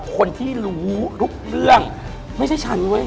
คนที่รู้ทุกเรื่องไม่ใช่ฉันเว้ย